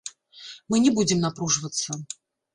Мы не будзем напружвацца.